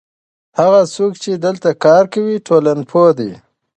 هغه څوک چې دلته کار کوي ټولنپوه دی.